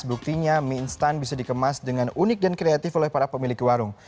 buktinya mie instan bisa dikemas dengan unik dan kreatif oleh para pemilik warung